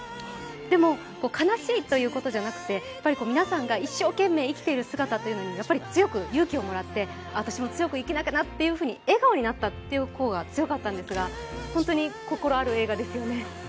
でも悲しいということじゃなくて皆さんが一生懸命生きている姿に強く勇気をもらって、私も強く生きなきゃなと思って笑顔になった方が強かったんですが、ホントに心ある映画ですよね。